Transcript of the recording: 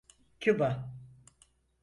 Küba…